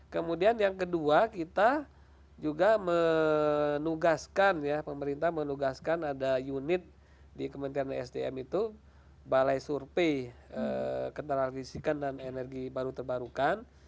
kemudian yang kedua kita juga menugaskan ya pemerintah menugaskan ada unit di kementerian sdm itu balai survei ketenagadisikan dan energi baru terbarukan